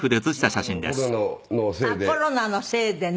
あっコロナのせいでね。